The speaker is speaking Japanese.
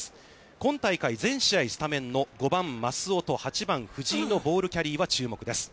今大会、全試合スタメンの５番舛尾と８番藤井のボールキャリーは注目です。